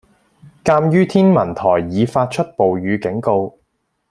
鑑於天文台已發出暴雨警告